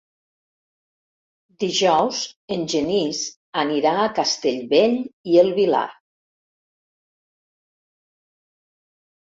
Dijous en Genís anirà a Castellbell i el Vilar.